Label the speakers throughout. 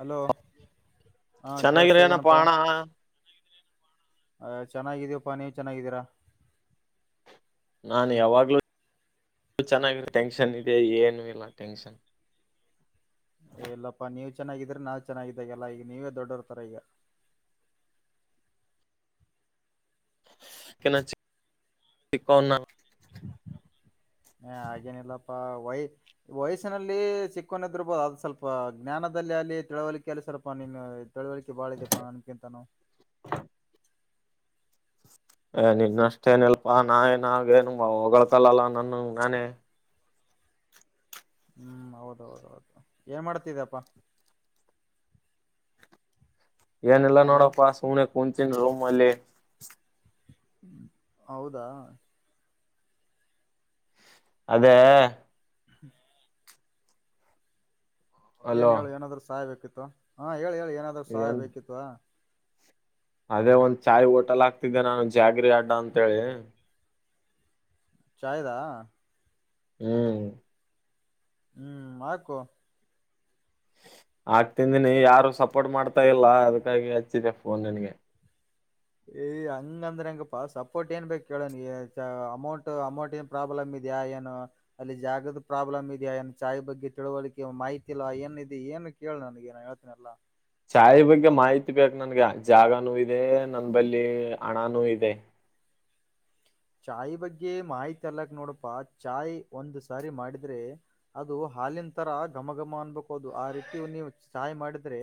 Speaker 1: Hello ಹಾಂ ಕೇಳಿಸ್ತಾ
Speaker 2: ಚೆನ್ನಾಗಿರೇನಪ್ಪ
Speaker 1: ಇದ್ದೇನಪ್ಪ
Speaker 2: ಅಣ
Speaker 1: ಅ ಚೆನ್ನಾಗಿದೀವಪ್ಪಾ ನೀವು್ ಚೆನ್ನಾಗಿದ್ದೀರಾ
Speaker 2: ನಾನು ಯಾವಾಗ್ಲೂ ಚೆನ್ನಾಗಿ ಟೆನ್ಷನ್ ಇದೆ ಏನು ಇಲ್ಲ ಟೆನ್ಷನ್
Speaker 1: ಇಲ್ಲಪ್ಪಾ ನೀವ್ ಚೆನ್ನಾಗಿದ್ರೆ ನಾ ಚೆನ್ನಾಗಿದ್ದಾಗಲ್ಲ ಈಗ ನೀವೇ ದೊಡ್ಡರ್ತರ ಈಗ
Speaker 2: ಕನಾ ಚ ಕನಾ
Speaker 1: ಹ ಹಾಗೇನಿಲ್ಲಪ್ಪಾ ವಯ ವಯಸ್ಸಿನಲ್ಲಿ ಚಿಕ್ಕನ ಇದರ್ಬೋದು ಅದ್ ಸ್ವಲ್ಪ ಜ್ಞಾನದ ಅಲ್ಲಿ ತಿಳವಳಿಕೆ ಎ ಸರಪಾ ನೀ ತಿಳವಳಿಕೆ ಬಾಳ ಇ ಇದಪ್ಪ ನನ್ಕಂತ ನಾ
Speaker 2: ನಿನ್ನಷ್ಟೇಏನಲ್ಪಾ ನಾ ಏನ ಆಾಗ ಏನ್ ಹೊಗಳಳ್ಕಲ್ಲಲ್ಲಾ ನನ್ನ ನಾನೇ
Speaker 1: ಹ್ಮ್ ಹೌದೌದೌದು ಏನ್ ಮಾಡ್ತಿದಪ್ಪಾ
Speaker 2: ಏನೆಲ್ಲಾ
Speaker 1: ಹಲೋ
Speaker 2: ನೋಡಪ್ಪಾ ಸುಣ ಕುೂಂತನ್ ರೂಮ್ಲ್ಲಿ
Speaker 1: ಹ ಹೌದಾ
Speaker 2: ಅದೇ
Speaker 1: ಹ್ಮ ಏನ್
Speaker 2: ಅಲೋ
Speaker 1: ಹೇಳು ಏನಾದ್ರು ಸಹಾಯ ಬೇಕಿತ್ತು ಹಾ ಹೇಳಿ ಹೇಳಿ ಏನಾದ್ರು ಸಹಾಯ
Speaker 2: ಏನ್
Speaker 1: ಬೇಕಿತ್ತುವ
Speaker 2: ಅದೇ ಒಂದ್ ಚಾಯ್ ಹೋಟೆಲ್ ಆಕ್ತಿದ್ದೆ ನಾನು ಜಾಗ್ರ ಅಡ್ಡ ಅಂತೇಳಿ
Speaker 1: ಚಾಹದಾ
Speaker 2: ಹ್ಮ್
Speaker 1: ಹ್ಮ್ ಹಾಕು
Speaker 2: ಆಗ್ತಿಂದನಿ ಯಾರು ಸಪೋರ್ಟ್ ಮಾಡ್ತಾ ಇಲ್ಲ ಅದ್ಕ್ಕಾಗಿ ಹಚ್ಚಿದೆ ಫೋನ್ ನನ್ಗೆ
Speaker 1: ಏಯ್ ಹಂಗ ಅಂದ್ರ ಹಂಗಪ್ಪಾ ಸಪೋರ್ಟ್ ಏನ್ ಬೇಕಕ್ ಕೇಳೋ ನೀ ಅಮೌಂಟ್ ಅಮೌಂಟ್ ಏನ್ ಪ್ರಾಬ್ಲಮ್ ಇದ್ಯಾಾ ಏನು ಅಲ್ಲಿ ಜಾಗದ ಪ್ರಾಬ್ಲಮ್ ಇದೆಯಾ ಏನು ಚಾಯ್ ಬಗ್ಗೆ ತಿಳುವಳಿಕೆ ಮಾಹಿತಿ ಇಲ್ಲ ಏನ್ ಏನ್ ನು ಕೇಳು ನನಗೆ ನಾನು ಹೇಳ್ತೇನೆಲ್ಲ
Speaker 2: ಚಾಯೆ ಬಗ್ಗೆ ಮಾಹಿತಿ ಬೇಕು ನನ್ಗೆ ಜಾಗನೂ ಇದೆ ನನ್ನ ಬಲ್ಲಿ ಹಣನೂ ಇದೆ
Speaker 1: ಚಾಯ್ ಬಗ್ಗೆ ಮಾಹಿತಿ ಅಲ್ಲಕ್ ನೋಡಪಾ ಚಾಯ್ ಒಂದ್ ಸಾರಿ ಮಾಡಿದ್ರೆ ಅದು ಹಾಲಿನ ತರಾ ಘಮ ಘಮ ಅನ್ಬೇಕ ಅದು ಆ ರೀತಿ ನೀವು ಚಾಯ್ ಮಾಡಿದ್ರೆ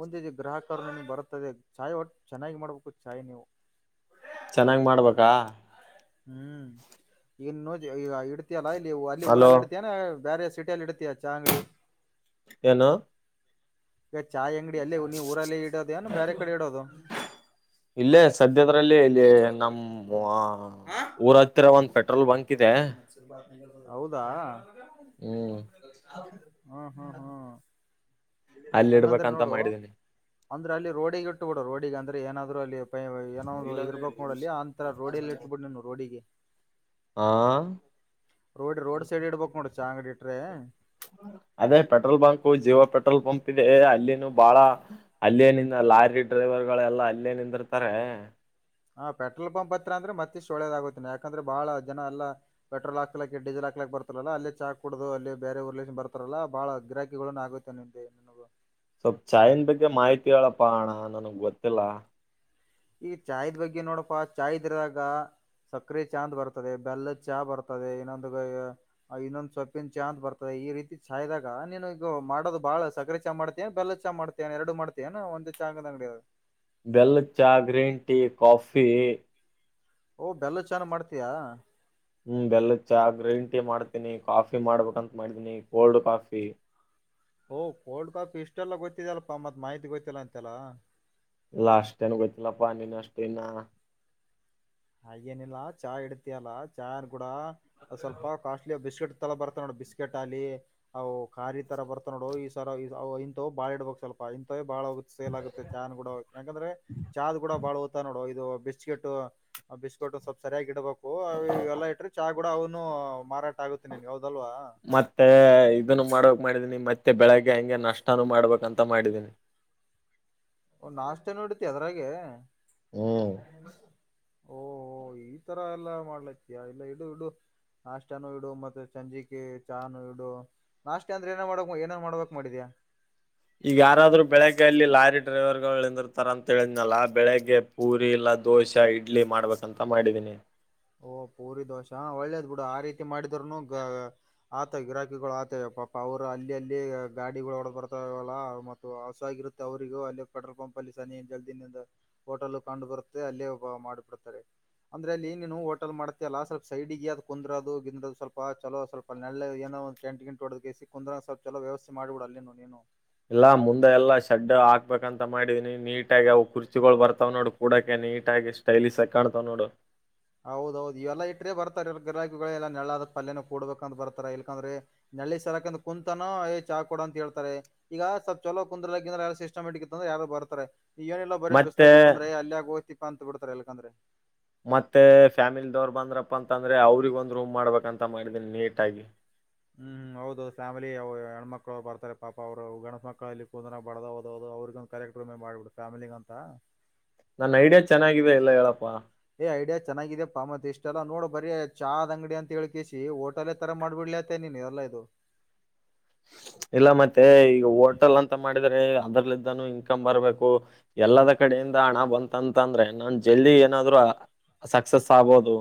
Speaker 1: ಮುಂದಿದ್ದ ಗ್ರಾಹಕರುನು ಬರುತ್ತದೆ ಚಾಯ್ ಒಟ್ಟ ಚೆನ್ನಾಗಿ ಮಾಡ್ಬೇಕು ಚಾಯ್ ನೀವು
Speaker 2: ಚೆನ್ನಾಗ್ ಮಾಡ್ಬೇಕಾ
Speaker 1: ಹ್ಮ್ ಇನ್ನು ಈ ಇಡ್ತಿಯಲ್ಲ ಇಲ್ಲಿ ಅಲ್ಲಿ
Speaker 2: ಅಲೋ
Speaker 1: ಊರಲ್ಲಿ ಇಡ್ತಾನ ಬೇರೆ ಸಿಟಿಅಲ್ಲಿ ಇಡ್ತಿಯ ಚಾ ಅಂಗಡಿ
Speaker 2: ಏನು
Speaker 1: ಚಾ ಅಂಗಡಿ ಅಲ್ಲೇ ನೀ ಊರಲ್ಲೇ ಇಡೋದೇ ಏನು ಬೇರೆ ಕಡೆ ಇಡೋದು
Speaker 2: ಇಲ್ಲೇ ಸದ್ಯದ್ರಲ್ಲಿ ಇಲ್ಲಿ ನಮ್ಮ ಊರ ಹತ್ತಿರ ಒಂದು ಪೆಟ್
Speaker 1: ಹೌದಾ
Speaker 2: ಹ್ಮ್
Speaker 1: ಹ್ಮ ಹ್ಮ ಹ
Speaker 2: [unintelligible] ಅಲ್ಲಿ
Speaker 1: ಹಂಗಂದ್ರೆ
Speaker 2: ಇಡ್ಬೇಕಂತ
Speaker 1: ನೋಡು
Speaker 2: ಮಾಡಿದೀನಿ
Speaker 1: ಅಂದ್ರೆ ಅಲ್ಲಿ ರೋಡಿಗೆ ಇಟ್ಟು ಬಿಡ ರೋಡಿಗ ಅಂದ್ರೆ ಏನಾದ್ರು ಅಲ್ಲಿ ಏನಾದ ಇದರ್ಬೇಕಕ್ ನೋಡಲ್ಲ ಅಂತರ ರೋಡಿಯಲ್ಲಿ ಇಟ್ಬಿಡ್ ನೀನು ರೋಡಿಗೆ
Speaker 2: ಹ
Speaker 1: ರೋಡ್ ರೋಡ್ ಸೈಡ್ ಇಡ್ಬಕ್ ನೋಡ ಚಾ ಅಂಗಡಿ ಇಟ್ರೆ
Speaker 2: [unintelligible] ಅದೇ petrol pump Jio petrol pump ಇದೆ ಅಲ್ಲಿನು ಬಾಳ ಅಲ್ಲಿನಿಂದ ಲಾರಿ ಡ್ರೈವರ್ ಗಳೆಲ್ಲಾ ಅಲ್ಲೇ ನಿಂದಿರ್ತಾರೆ
Speaker 1: ಹಾ ಪೆಟ್ರೋಲ್ ಪಂಪ್ ಹತ್ರ ಅಂದ್ರೆ ಮತ್ತಷ್ಟ ಒಳ್ಳೇದಾಗುತ್ತೆ ಯಾಕಂದ್ರೆ ಬಾಳ ಜನ ಎಲ್ಲಾ ಪೆಟ್ರೋಲ್ ಹಾಕೋಳಕ್ ಡೀಸೆಲ್ ಹಾಕೋಳಕ್ ಹಾಕ್ಲಕ್ ಬರ್ತಾರಲ್ಲ ಅಲ್ಲಿ ಚಾಕ್ ಕುಡುದು ಅಲ್ಲಿ ಬೇರೆ ಉರುಲಿಂದು ಬರ್ತಾರಲ್ಲ ಬಾಳ ಗಿರಾಕಿ ನ್ ಆಗುತ್ತೆ ನಿಮಗೆ
Speaker 2: ಸ್ವಲ್ಪ್ ಚಾಯ್ನ್ ಬಗ್ಗೆ ಮಾಹಿತಿ ಹೇಳಪ್ಪ ಅಣ ನನಗ್ ಗೊತ್ತಿಲ್ಲ
Speaker 1: ಈಗ ಚಾಯದ್ ಬಗ್ಗೆ ನೋಡಪ್ಪಾ ಚಾಯ್ ಇದ್ರಾಗ ಸಕ್ರಿ ಚಾ ಅಂತ ಬರ್ತದೆ ಬೆಲ್ಲದ ಚಾ ಬರ್ತದೆ ಇನ್ನೊಂದು ಇನ್ನೊಂದ್ ಸೊಪ್ಪಿನ ಚಾ ಅಂತ ಬರ್ತದೆ ಈ ರೀತಿ ಚಾಯದಾಗ ನೀನು ಈಗ ಮಾಡೋದು ಬಾಳ ಸಕ್ರಿ ಚಾ ಮಾಡ್ತೇನೆ ಬೆಲ್ಲದ ಚಾ ಮಾಡ್ತೇ ಎರಡು ಮಾಡ್ತೇ ಒಂದ ಚಾದ ಅಂಗಡಿದಾಗ
Speaker 2: ಬೆಲ್ಲ ಚಾ ಗ್ರೀನ್ ಟೀ ಕಾಫಿ
Speaker 1: ಓ ಬೆಲ್ಲದ ಚಾ ಮಾಡ್ತೀಯಾ
Speaker 2: ಹ್ಮ ಬೆಲ್ಲದ ಚ ಗ್ರೀನ್ ಟೀ ಮಾಡ್ತೀನಿ ಕಾಫಿ ಮಾಡ್ಬೇಕಂತ ಮಾಡಿದೀನಿ ಕೋಲ್ಡ್ ಕಾಫಿ
Speaker 1: ಓ ಕೋಲ್ಡ್ ಕಾಫಿ ಇಷ್ಟೆಲ್ಲ ಗೊತ್ತಿದೇಲ್ಲಪ್ಪ ಮತ್ ಮಾಹಿತಿ ಗೊತ್ತಿಲ್ಲ ಅಂತೆಲ್ಲ
Speaker 2: ಅಷ್ಟ ಏನ್ ಗೊತ್ತಿಲ್ಲ ಪಾ ನಿನ ಅಷ್ಟ ಇನ್ನ
Speaker 1: ಹಾಗೇನಿಲ್ಲ ಚಾ ಇಡ್ತಿಯಲ್ಲ ಚಾಯ ಕೂಡ ಸ್ವಲ್ಪ ಕಾಸ್ಟ್ಲಿ ಬಿಸ್ಕಟ್ ತರ ಬರ್ತ ನೋಡು ಬಿಸ್ಕೆಟ್ ಆಲಿ ಅವು ಖಾರಿ ತರ ಬರ್ತ ನೋಡು ಈ ಸರ ಇಂತವ ಬಾಳ ಇಡ್ಬೇಕಕ್ ಸ್ವಲ್ಪ ಇಂತಥವ ಬಾಳ ಹೋಗುತ್ತ ಸೇಲ್ ಆಗುತ್ತೆ ಚಾ ಕೂಡ ಯಾಕಂದ್ರೆ ಚಾದ್ ಕೂಡ ಬಾಳ ಹೋಗ್ತ ನೋಡ ಇದು ಬಿಸ್ಕೆಟ್ ಬಿಸ್ಕಿಟ್ ಸ್ವಲ್ಪ್ ಸರಿಯಾಗಿ ಇಡಬೇಕು ಇವೆಲ್ಲ ಇಟ್ರೆ ಚಾ ಕೂಡ ಅವ್ನು ಮಾರಾಟ ಆಗುತ್ತೆ ನಿನ್ಗೆ ಹೌದಲ್ವಾ
Speaker 2: ಮತ್ತೆ ಇದನ್ನು ಮಾಡಕ್ ಮಾಡಿದೀನಿ ಮತ್ತೆ ಮತ್ತೆ ಬೆಳಿಗ್ಗೆ ಹಂಗೆ ನಷ್ಟಾನೂ ಮಾಡ್ಬೇಕಂತ ಮಾಡಿದೀನಿ
Speaker 1: ಒ ನಾಷ್ಟ ನು ಇಡ್ತೀ ಅದ್ರಾಗೆ
Speaker 2: ಹ್ಮ್
Speaker 1: ಓ ಈ ತರ ಎಲ್ಲಾ ಮಾಡ್ಲತಿಯಾ ಇಲ್ಲ ಇಡು ಇಡು ನಾಷ್ಟಾನೂ ಇಡು ಮತ್ತೆ ಸಂಜಿಕೆ ಚಾ ನೂ ಇಡು ನಾಷ್ಟ ಅಂದ್ರೆ ಏನ ಮಾಡಕ್ ಏನನ್ ಮಾಡಬೇಕಕ್ ಮಾಡಿದ್ಯಾಾ
Speaker 2: [inaudible] ಈಗ ಯಾರಾದ್ರು ಬೆಳಗ್ಗೆಯಲ್ಲಿ ಲಾರಿ ಡ್ರೈವರಗಳು ನಿಂದರ್ತಾರ್ ಅಂತ ಹೇಳಿದ್ನಲ್ಲ ಬೆಳಿಗ್ಗೆ ಪೂರಿ ಇಲ್ಲ ದೋಸೆ ಇಡ್ಲಿ ಮಾಡ್ಬೇಕಂತ ಮಾಡಿದೀನಿ
Speaker 1: ಓ ಪೂರಿ ದೋಶಾ ಒಳ್ಳೇದ್ ಬಿಡು ಆ ರೀತಿ ಮಾಡಿದ್ನು ಆತ ಗಿರಾಕಿಗಳು ಆತ ಪಾಪ ಅವರು ಅಲ್ಲಿ ಅಲ್ಲಿ ಗಾಡಿಗಳು ಹೊಡ ಬರ್ತವಲ್ಲ ಮತ್ತು ಹಸುವಾಗಿ ಅವ್ರರಿಗೂ ಅಲ್ಲೇ ಪೆಟ್ರೋಲ್ ಪಂಪ್ ಅಲ್ಲಿ ಸನಿ ಜಲ್ದಿನಿಂದ ಹೋಟಲ್ ಕಂಡು ಬರುತ್ತೆ ಅಲ್ಲೇ ಉಪಹಾರ ಮಾಡಿಬಿಡ್ತಾರೆ ಅಂದ್ರೆ ಅಲ್ಲಿ ನೀವು ಹೋಟಲ್ ಮಾಡತಿ ಅಲ್ಲಾ ಸ್ವಲ್ಪ ಸೈಡ್ಗೆ ಅ ಕುಂದರೋದು ಗಿಂಡ್ರದು ಸ್ವಲ್ಪ ಚಲೋ ಸ್ವಲ್ ನೆಳ್ಳು ಏನೋ ಒಂದು ಟೆಂಟ್ ಗಿಂಟು ಹೊಡೆದ್ಕೇಸಿ ಕುಂದರ ಸ್ವಲ್ಪ ವ್ಯವಸ್ಥ ಮಾಡಬಿಡ ಅಲ್ಲಿನು ನೀನು
Speaker 2: ಇಲ್ಲಾ ಮುಂದೆ ಎಲ್ಲಾ ಶಡ್ ಹಾಕ್ಬೇಕಂತ ಮಾಡಿದೀನಿ ನೀಟಾಗಿ ಅವು ಕುರ್ಚಿಗಳು ಬರ್ತಾವ್ ನೋಡು ಕೂಡಕೇನ್ ನೀಟ್ ಆಗಿ ಸ್ಟೈಲಿಶ್ ಆಗಿ ಕಾಣ್ತವ್ ನೋಡು
Speaker 1: ಹೌದೌದು ಇವೆಲ್ಲಾ ಇಟ್ರೆ ಬರ್ತಾರೆ ಇವ್ರ್ ಗಿರಾಕಿಗಳೆಲ್ಲ ನೆರ್ಳಾದ ಪಲ್ಯನ ಕೂಡ್ಬೇಕಂತ್ ಬರ್ತಾರೆ ಇಲ್ಕಂದ್ರೆ ನಳ್ಳಿ ಸರಕ್ಕಂದ ಕುಂತನೋ ಏ ಚಾ ಕೊಡ ಅಂತ್ ಹೇಳ್ತಾರೆ ಈಗ ಸ್ವಲ್ಪ್ ಚಲೋ ಕುಂದಿರ್ಲಕಂದ್ರೆ ಸಿಸ್ಟಮ್ಯಾಟಿಕ್ ಇತ್ತುಂದ್ರೆ ರೂ ಬರ್ತಾರೆ. ಈಗೇನಿಲ್ಲ ಬರೀ
Speaker 2: ಮತ್ತೆ
Speaker 1: ಬಿಸ್ಲಾಗಿತ್ತಂದ್ರೆ ಏ ಅಲ್ ಯಾಕ್ ಹೋತಿಪ್ಪ ಅಂತ್ಬಿಡ್ತಾರೆ ಎಲ್ಕಂದ್ರೆ.
Speaker 2: ಮತ್ತೆ ಫ್ಯಾಮಿಲಿದವರು ಬಂದ್ರಪ್ಪ ಅಂತಂದ್ರೆ ಅವ್ರಿಗ್ ಒಂದ್ ರೂಮ್ ಮಾಡ್ಬೇಕಂತ ಮಾಡಿದೀನಿ ನೀಟಾಗಿ.
Speaker 1: ಹ್ಮ್ ಹೌದು ಫ್ಯಾಮಿಲಿ ಅವು ಹೆಣ್ಮಕ್ಳು ಬರ್ತಾರೆ ಪಾಪ ಅವರು ಗಂಡ್ ಮಕ್ಳ ಅಲ್ಲಿ ಕುಂದ್ರ ಬಡದ ಹೌದು ಹೌದು ಅವ್ರ್ಗೂ ಕರೆಕ್ ರೂಮೆ ಮಾಡಿಬಿಟ್ ಫ್ಯಾಮಿಲಿಗಂತ
Speaker 2: ನನ್ ಐಡಿಯಾ ಚೆನ್ನಾಗಿವೆ ಇಲ್ಲ ಹೇಳಪ್ಪಾ.
Speaker 1: ಏ ಐಡಿಯಾ ಚೆನ್ನಾಗಿದ್ಯಪ್ಪ ಮತ್ ಇಷ್ಟ್ ಎಲ್ಲ ನೋಡ್ ಬರೀ ಚಾದ್ ಅಂಗಡಿ ಅಂತ ಹೇಳ್ಕಿಸಿ ಹೋಟಲೆ ತರ ಮಾಡ್ಬಿಡ್ ಇಲ್ಲಾತೇನ್ ನೀ ನೀರಲ್ಲ ಇದು
Speaker 2: [inaudible] ಇಲ್ಲ ಮತ್ತೆ ಈಗ ಹೋಟೆಲ್ ಅಂತ ಮಾಡಿದ್ರೆ ಅದ್ರಲಿದ್ದಾನು ಇನ್ಕಮ್ ಬರ್ಬೇಕು ಎಲ್ಲದ ಕಡೆ ಇಂದ ಹಣ ಬಂತಂತಂದ್ರೆ ನಾನ್ ಜಲ್ದಿ ಏನಾದ್ರು ಆ ಸಕ್ಸಸ್ ಆಗ್ಬೋದು.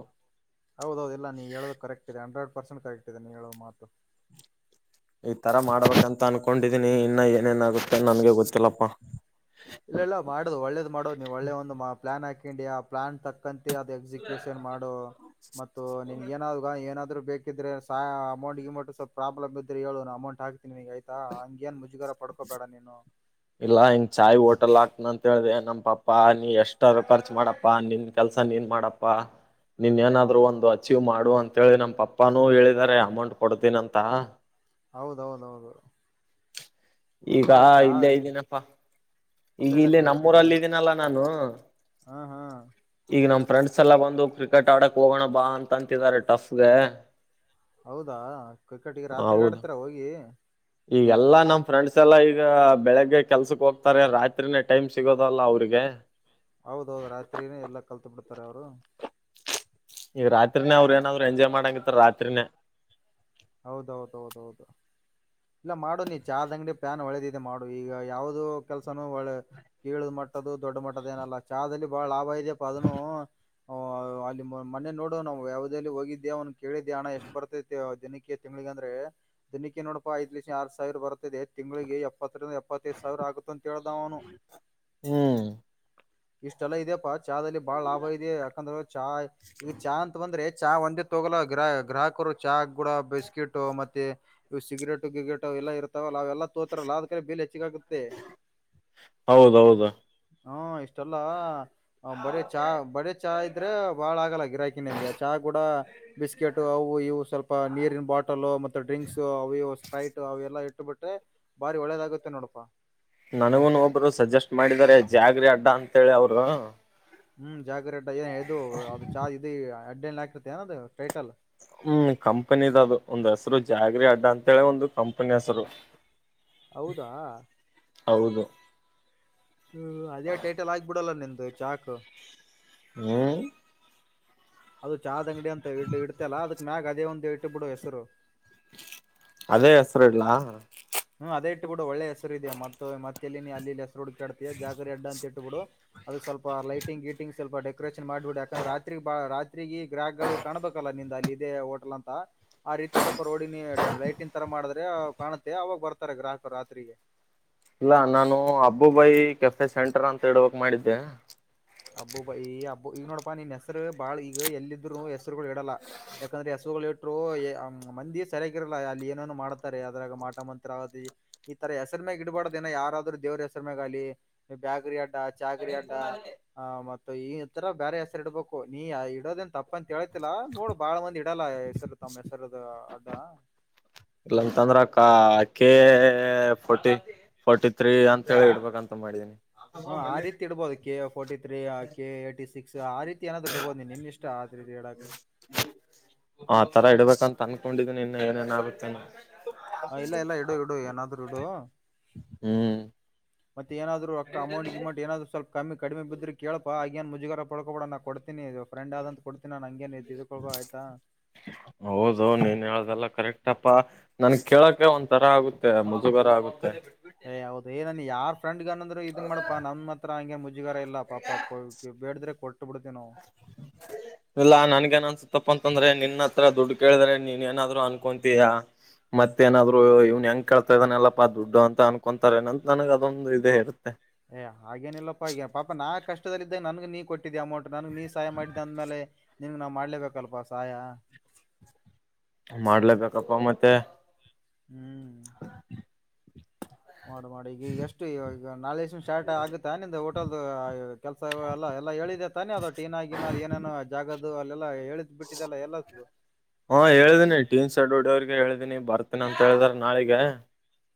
Speaker 1: ಹೌದೌದು ಇಲ್ಲ ನೀ ಹೇಳೋದು ಕರೆಕ್ಟ್ ಇದೆ ಹಂಡ್ರೆಡ್ ಪರ್ಸೆಂಟ್ ಕರೆಕ್ಟ್ ಇದೆ ನೀ ಹೇಳೋ ಮಾತು.
Speaker 2: ಈ ತರ ಮಾಡ್ಬೇಕಂತ ಅನ್ಕೊಂಡಿದೀನಿ ಇನ್ನ ಏನೇನ್ ಆಗುತ್ತೆ ನನ್ಗೆ ಗೊತ್ತಿಲ್ಲಪ್ಪಾ.
Speaker 1: ಇಲ್ಲ ಇಲ್ಲ ಮಾಡೋದು ಒಳ್ಳೇದ್ ಮಾಡುದು ನೀ ಒಳ್ಳೆ ಒಂದು ಮ ಪ್ಲಾನ್ ಹಾಕಂಡಿಯ ಆ ಪ್ಲಾನ್ ತಕ್ಕಂ ತೆ ಅದ್ ಎಕ್ಸಿಕ್ಯೂಷನ್ ಮಾಡು ಮತ್ತು ನಿನ್ಗ್ ಏನಾವ್ಗ ಏನಾ ದ್ರು ಬೇಕಿದ್ರೆ ಸಾ ಅಮೌಟ್ ಗಿಮೌಂಟ್ ಸ್ವಲ್ಪ್ ಪ್ರಾಬ್ಲಮ್ ಇದ್ರೆ ಹೇಳು ನಾ ಅಮೌಂಟ್ ಹಾಕ್ ತಿನಿ ಆಯ್ತಾ ಹಂಗೇನ್ ಮುಜುಗರ ಪಡ್ಕೊಬೇಡ ನೀನು
Speaker 2: ಅಲ್ ಹಾಕ್ ತ್ನಂತ್ ಹೇಳ್ದೆ ನಮ್ ಪಪ್ಪಾ ನೀ ಎಷ್ಟಾರು ಖರ್ಚ್ ಮಾಡಪ್ಪಾ ನಿನ್ ಕೆಲ್ಸ ನೀನ್ ಮಾಡಪ್ಪಾ ನೀನ್ ಏನಾದ್ರು ಒಂದು ಅಚೀವ್ ಮಾಡು ಅಂತ ಹೇಳಿ ನಮ್ ಪಪ್ಪಾನೂ ಹೇಳಿದ್ದಾರೆ ಅಮೌಂಟ್ ಕೊಡ್ತೀನಂತ
Speaker 1: ಹೌದೌದೌದು.
Speaker 2: ಈಗ
Speaker 1: ಇಲ್ಲ ಚಾ
Speaker 2: ಇಲ್ಲೇ ಇದ್ದೀನಪ್ಪಾ
Speaker 1: ಇಲ್ಲ ಇಲ್ಲ
Speaker 2: ಈಗಿಲ್ಲೆ
Speaker 1: ಕರೆಕ್ಟ್ ಇದೆ
Speaker 2: ನಮ್ಮೂರಲ್ಲಿದೀನಲ್ಲ ನಾನು
Speaker 1: ಹಾ ಹಾ
Speaker 2: ಈಗ ನಮ್ ಫ್ರೆಂಡ್ಸ್ ಎಲ್ಲ ಬಂದು ಕ್ರಿಕೆಟ್ ಆಡಕ್ ಹೋಗೋಣ ಬಾ ಅಂತ ಅಂತಿದ್ದಾರೆ ಟಫ್ಗೆ
Speaker 1: ಹೌದಾ ಕ್ರಿಕೆಟಿಗೆ
Speaker 2: ಹೌದು
Speaker 1: ರಾತ್ರಿಗಾಡ್ತೀರ ಹೋಗಿ?
Speaker 2: ಈಗೆಲ್ಲಾ ನಮ್ ಫ್ರೆಂಡ್ಸ್ ಎಲ್ಲಾ ಈಗ ಬೆಳಿಗ್ಗೆ ಕೆಲ್ಸಕ್ ಹೋಗ್ತಾರೆ ರಾತ್ರಿನೇ ಟೈಮ್ ಸಿಗೋದಲ್ಲ ಅವ್ರಿಗೆ
Speaker 1: ಹತ್ತಾರೆ ಅವರು
Speaker 2: ತ್ರಿನೆ
Speaker 1: ಹೌದೌದೌದೌದು. ಇಲ್ಲ ಮಾಡು ನೀ ಚಾದಂಗ್ಡಿ ಪ್ಯಾನ್ ಒಳ್ಳೆದಿದೆ ಮಾಡು ಈಗ ಯಾವ್ದು ಕೆಲ್ಸನು ಒಳ್ಳೆ ಹೇಳಿದ್ ಮಾಡ್ ತದು ದೊಡ್ಡ ಮಟ್ಟದೇನಲ್ಲ ಚಾದಲ್ಲಿ ಬಾಳ ಲಾಭ ಇದ್ಯಪ್ಪಾ ಆಡುನು. ಹೂಂ ಅಲ್ಲಿ ಒನ್ ಮನೆ ನೋಡೊ ನಾವು ಯಾವ್ದೇ ಅಲ್ಲಿ ಹೋಗಿದ್ದೆ ಅವ್ನ್ ಕೇಳಿದ್ದೆ ಅಣ ಎಷ್ಟ್ ಬರ್ತೈತೆ ಆ ದಿನುಕ್ ಕೆ ತಿಂಗ್ಳುಗೆ ಅಂದ್ರೆ ದಿನಿಕ್ಕೆ ನೋಡಪಾ ಐದ್ ರಿಂದ ಆರ್ ಸಾವಿರ ಬರ್ತದೆ ತಿಂಗ್ಳಿಗೆ ಯಪ್ ಪತ್ರಿಂದ ಎಪ್ಪತ್ತೈದ್ ಸಾವಿರ ಆಗುತ್ತಂತ್ ಹೇಳ್ತಾ ಅವನು
Speaker 2: ಹ್ಮ್
Speaker 1: ಇಷ್ಟೆಲ್ಲಾ ಇದ್ಯಪ್ಪಾ ಚಾದಲ್ಲಿ ಬಾಳ ಲಾಭ ಇದೆ ಯಾಕಂದ್ರೆ ಚಾ ಈ ಚಾ ಅಂತ ಬಂದ್ರೆ ಚಾ ಒಂದೇ ತೊಗಲ ಗ್ರ ಗ್ರಾಹಕರು ಚಾ ಕೂಡ ಬಿಸ್ಕಿಟು ಮತ್ತೆ ಇ ಸಿಗರೆಟು ಗಿಗ್ರೇಟು ಅವೆಲ್ಲಾ ಇರ್ತಾವಲ್ಲ ಅವೆಲ್ಲ ತೋತಾರಲ್ಲ ಅದುಕೆಲ್ಲಾ ಬಿಲ್ ಎಟ್
Speaker 2: ಹೌದೌದು.
Speaker 1: ಹೂಂ ಇಷ್ಟೆಲ್ಲಾ ಆಂ ಬರೆ ಚಾ ಬರೇ ಚಾ ಇದ್ರೆ ಬಾಳ ಆಗಲ್ಲ ಗಿರಾಕಿ ನಿಮ್ಗೆ ಚಾ ಕೂಡ ಬಿಸ್ಕೆಟು ಅವು ಇವು ಸ್ವಲ್ಪ ನೀರಿನ್ ಬಾಟಲು ಮತ್ತೆ ಡ್ರಿಂಕ್ಸ್ ಅವು ಇವು ಸ್ಪ್ರೈಟ್ ಅವೆಲ್ಲ ಇ ಅಟ್ಟು ಬಿಟ್ಟೆ ಬಾರಿ ಒಳ್ಳೇದಾಗುತ್ತೆ ನೋಡಪಾ
Speaker 2: ನನುಗೂನು ಒಬ್ರು ಸಜೆಸ್ಟ್ ಮಾಡಿದಾರೆ ಜಾಗ್ರಿ ಅಡ್ಡಾ ಅಂತೇಳಿ ಅವರು
Speaker 1: ಹ್ಮ್ ಜಾಗ್ರಿ ಅಡ್ಡಾ ಏ ಇದು ಚಾ ಇದು ಅಡ್ಡೆಲ್ ಹಾಕ್ತಿತ್ ಏನದು ಟೈಟಲ್
Speaker 2: ಹ್ಮ್ ಕಂಪನಿದದು ಒಂದ್ ಹೆಸರು ಜಾಗರಿ ಅಡ್ಡ ಅಂತೇಳಿ ಒಂದು ಕಂಪನಿ ಹೆಸರು.
Speaker 1: ಹೌದಾ
Speaker 2: ಹೌದು.
Speaker 1: ಹ್ಮ್ ಅದೇ ಟೈಟಲ್ ಆಗ್ಬಿಡಲ್ಲ ನಿಂದು ಚಾಕು.
Speaker 2: ಹ್ಮ್.
Speaker 1: ಅದು ಚಹ ಅಂಗಡಿ ಅಂತ ಇಡ್ ಇಡ್ತಿ ಅಲ ಅದಕ್ ಮ್ಯಾಗ ಅದೇ ಒಂದು ಇಟ್ಬುಡು ಹೆಸರು.
Speaker 2: ಅದೇ ಹೆಸರು ಇಡ್ಲ.
Speaker 1: ಹ್ಮ್ ಅದೇ ಇಟ್ಬುಡು ಒಳ್ಳೆ ಹೆಸರಿದೆ ಮತ್ ಹೋಗಿ ಮತ್ತೆಲ್ಲಿ ನೀ ಅಲ್ಲಿ ಇಲ್ಲಿ ಹೆಸರು ಹುಡುಕಾಡ್ತಿ ಜಾಗರಿ ಅಡ್ ಅಂತ ಇಟ್ ಬುಡು ಅದುಕ್ ಸ್ವಲ್ಪ ಲೈಟಿಂಗ್ ಗೀಟಂಗ್ ಸ್ವಲ್ಪ ಡೆಕೋರೇಷನ್ ಮಾಡ್ಬಿಡು ಯಾಕಂದ್ರ ರಾತ್ರಿ ಬಾ ರಾತ್ ಗ್ರಾಹಕ್ ಗಳಿಗ್ ಕಾಣಬೇಕಲ್ಲ ನಿಂದ್ ಅಲ್ಲಿದೆ ಹೋಟೆಲ್ ಅಂತ ಆ ರೀತಿ ಸ್ವಲ್ಪ ರೋಡಿಗ್ ನೀ ಲೈಟಿಂಗ್ ತರ. ಮಾಡಿದ್ರೆ ಕಾಣುತ್ತೆ ಅವಾಗ ಬರ್ತಾರೆ ಗ್ರಾಹಕರು ರಾತ್ರಿಗೆ.
Speaker 2: ಇಲ್ಲ ನಾನು ಅಬ್ಬುಬಾಯಿ ಕೆಫೆ ಸೆಂಟರ್ ಅಂತ ಹಿಡ್ಬಾಕ್ ಮಾಡಿದ್ದೆ.
Speaker 1: ಅಬ್ಬುಬಾಯಿ ಈ ಹಬು ಹೇ ಇಗ್ ನೋಡಪಾ ನೀನ್ ಹೆಸರು ಬಾಳ್ ಈಗ ಎಲ್ಲಿದ್ರು ಹೆಸರುಗಳು ಇಡಲ್ಲ ಯಾಕಂದ್ರೆ ಹೆಸ್ ಇಟ್ರು ಮಂದಿ ಸರಿಯಕಗಿರಲ್ಲ ಅಲ್ಲಿ ಏನೇನು ಮಾಡ್ತಾರೆ ಅದ್ರಾಗ ಮಾಟ ಮಂತ್ರ ಅದ್ ಹೆಸರ್ ಮ್ಯಾಗ ಇಡಬಾರ್ದಿನ ಯಾರಾದ್ರೂ ದೇವ್ರ ಹೆಸ್ರು ಮೆಗಾಗ್ಲಿ ಬ್ಯಾಕ್ರಿ ಅಡ್ಡ ಚಕ್ರಿ ಅಡ್ಡ. ಹ ಮತ್ತ ಇತರ ಬೇರೆ ಹೆಸರು ಇಡ್ಬಕು ನೀ ಇಡೋದೆನ್ ತಪ್ಪ ಅಂತ ಹೇಳತಿಲ್ಲಾ ನೋಡ್ ಬಾಳ ಮಂದಿ ಇಡ್ಡಲ್ಲ ಹೆಸರು ತಮ್ಮ ಹೆಸರುದು ಅಡ್ಡ.
Speaker 2: ಇಲ್ಲಂತಂದ್ರ ಕಾ ಕೆಎ ಫೋರ್ಟೀನ್ ಫೋರ್ಟಿ ತ್ರೀ ಅಂತ ಹೇಳಿ ಇಡ್ಬೇಕಂತ ಮಾಡಿದೀನಿ.
Speaker 1: ಹ್ಮ ಆರೀತಿ ಇಡಬೋದು KA forty. Three KA eighty six ಆರೀತಿ ಏನಾದ್ರು ಇಡಬೋದ್ ನೀ ನಿನ್ ಇಷ್ಟ ಅದ್ ಇಡಾಕ.
Speaker 2: ಅತರ. ಅನ್ಕೊಂಡಿದಿನೀ ಇನ್ನ ಏನೇನ ಆಗುತ್ತೆನಾ.
Speaker 1: ಇಲ್ಲ ಇಲ್ಲ ಇಡು ಇಡು ಏನಾದ್ರು ಇಡು
Speaker 2: ಹ್ಮ್.
Speaker 1: ಮತ್ತೇಏನಾದ್ರು ರೊಕ್ಕ ಅಮೌಂಟ್ ಗಿಮೌಂಟ್ ಏನಾದ್ರು ಸ್ವಲ್ ಕಮ್ಮಿ ಕಡಿಮಿ ಬಿದ್ರು ಕೇಳಪ್ಪ ಆಗೇನ್ ಮುಜಗಾರ ಪಡ್ಕೊ ಬೇಡ ನಾಕೋಡ್ ನಿ ಫ್ರೆಂಡ್ ಆದಂತ ಕೊಡ್ತೀನಿ ನನ್ ಹಂಗೇನು ತಿಳ್ಕೋಬೇಡ ಆಯ್ತಾ.
Speaker 2: ಆಯ್ತಪ್ಪ ನಾನೀಗ್ ಕೇಳೋಕೆ ಒಂತರ ಆಗುತ್ತೆ ಮುಜುಗರ ಆಗುತ್ತೆ.
Speaker 1: ಹೇ ಹೌದು ಏ ನನ್ ಯಾರ್ ಫ್ರಂಡ್ ಗಾನಂದ್ರು ಇದ್ ಮಾಡಪಾ ನನ್ ಮಾತ್ರ ಹಂಗೆನ್ ಮುಜ್ ಗಾರ ಇಲ್ಲ ಪಾಪ ಕೊ ಬೇಡುದ್ರೆ.
Speaker 2: ಇಲ್ಲ ನಾನೀಗ್ ಏನ್ ಅನುಸ್ತಾಪ ಅಂತಂದ್ರೆ ನಿನ್ ಹತ್ರ ದುಡ್ಡು ಕೇಳಿದ್ರೆ ನೀನ್ ಏನಾದ್ರು ಅನ್ಕೊತೀಯಾ. ಮತ್ತೇಏನಾದ್ರು ಇವ್ನ್ ಹೆಂಗ ಕೇಳ್ತಾ ಇದಾನೆಲ್ಲಪ್ಪಾ ದುಡ್ಡು ಅಂತ ಅನ್ಕೊಂತಾರೆ ಏನಂತ್ ನನಗೆ ಅದೊಂದು ಇದೇ ಇರುತ್ತೆ.
Speaker 1: ಹೇ ಹಾಗೇನಿಲ್ಲಪ್ಪಪಾ ಇಗ ಪಾಪ ನಾ ಕಷ್ಟದಲ್ಲಿದ್ದಾಗ ನಂಗ ನೀ ಕೊಟ್ ಕೊಟ್ಟಿದಿಯ ಅಮೌಂಟ್ ನಾನೀಗ್ ನೀ ಸಹಾಯ ಮಾಡಿದ್ದ ಅಂದ್ಮೇಲೆ ನಿನಿಗ್ ನಾ ಮಾಡ್ಲೇಬೇಕಲ್ಪ ಸಹಾಯ.
Speaker 2: ಮಾಡ್ಲಬೇಕಪ್ಪ ಮತ್ತೆ.
Speaker 1: ಹ್ಮ್.
Speaker 2: [unintelligible] [inaudible]
Speaker 1: ಮಾಡು ಮಾಡು ಈಗ ಎಷ್ಟು ಈಗ ನಾಳೆನ್ ಸ್ಟಾರ್ಟ್ ಆಗುತ್ತೆ ನಿಂದ ಹೋಟೆಲ್ದು ಕೆಲ್ಸ ಎಲ್ಲ ಎಲ್ಲ. ಹೇಳಿದೆ ತಾನೆ ಅದು ಟೀನ ಗಿನ ಅದ್ ಏನೇನು ಜಾಗದ್ ಅದು ಅಲ್ಲೆಲ್ಲ ಹೇಳಿದ್ ಬಿಟ್ಟಿದ್ದಲ್ಲ ಎಲ್ಲೋತು.
Speaker 2: ದೀನ್ ಸೆಡ್ ಹೊಡಿಯೋರ್ಗು ಹೇಳ್ದೀನಿ ಬರ್ತೀನಿ ಅಂತ ಹೇಳಿದ್ರ ನಾಳಿಗೆ.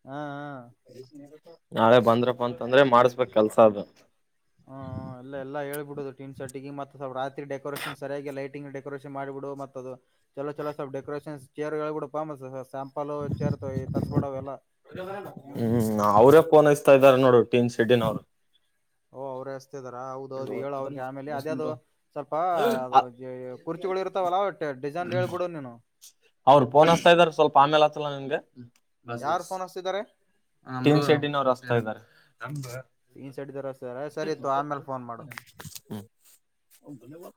Speaker 1: ಹಾ ಹಾ.
Speaker 2: ನಾಳೆ ಬಂದ್ರಪ್ಪ ಅಂತಂದ್ರೆ ಮಾಡಸ್ಬೇಕ್ ಕೆಲ್ಸ ಅದು.
Speaker 1: ಹ್ ಎಲ್ಲ ಎಲ್ಲ ಹೇಳ್ಬಿಡದು ಟೀಮ್ ಸೇಟ್ಟಿಗೆ ಮತ್ತ ರಾತ್ರಿ ಡೆಕೋರೇಷನ್ ಸರಿಯಾಗಿ ಲೈಟಂಗ್ ಡೆಕೋರೇನ್ ಮಾಡಿಬಿಡು ಮತ್ತ ಅದು. ಚಲೋ ಚಲೋ ಸೋಲ್ಪ್ ಡೇಕೋರೇಷನ್ ಚೇರ್ಗಳು ಹೇಳ್ಬಿಡಪ ಮತ್
Speaker 2: ಹ್ಮ್ ಅವರೇ ಪೋನ್ ಇದಾರೆ ನೋಡು ಟೀನ್ ಶೇದಿನವ್ರು.
Speaker 1: ಓ ಅವ್ರೆ ಹೌದ ಹೌದು ಹೇಳು ಅವ್ರಿಗೆ ಆಮೇಲೆ ಅದೇ ಅದು ಸ್ವಲ್ಪ ಅದು ಕುರ್ಚುಗಳು ಇರ್ತಾವಲ್ಲ ಡಿಸೈನ್ ಹೇಳ್ಬಿಡು ನೀನು.
Speaker 2: ಅವ್ರು ಪೋನ್ ಹಚ್ತಾ ಇದಾರೆ ಸ್ವಲ್ಪ ಆಮೇಲೆ ಹಚ್ಲ ನಿನ್ಗೆ.
Speaker 1: ಯಾರ್ ಫೋನ್ ಹಸ್ತಿದ್ದಾರೆ.
Speaker 2: ಗ ಶೆಡ್ನರು ರಸ್ತ ಇದ್ದಾರೆ
Speaker 1: ಟೀನ್ ಸಡಿದಾರ ಸರ್ ಸರಿ ಇತ್ತು ಆಮೇಲೆ ಫೋನ್ ಮಾಡು
Speaker 2: ಹೌ ಧನ್ಯವಾದ